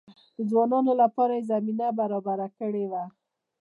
د ځوانانو لپاره یې زمینه برابره کړې وه.